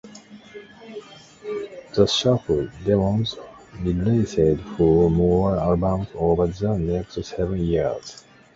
The Shuffle Demons released four more albums over the next seven years.